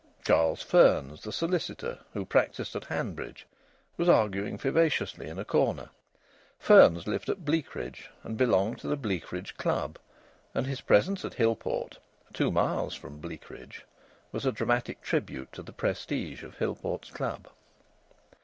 Charles Fearns, the solicitor, who practised at Hanbridge, was arguing vivaciously in a corner. Fearns lived at Bleakridge and belonged to the Bleakridge Club, and his presence at Hillport (two miles from Bleakridge) was a dramatic tribute to the prestige of Hillport's Club.